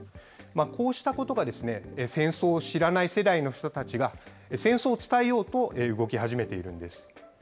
こうしたことがですね、戦争を知らない世代の人たちが、戦争を伝えようと動き始めているんです。